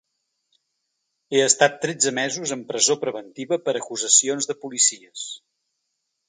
He estat tretze mesos en presó preventiva per acusacions de policies.